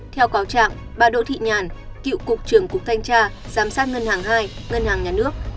theo cáo trạng bà đỗ thị nhàn cựu cục trưởng cục thanh tra giám sát ngân hàng hai ngân hàng nhà nước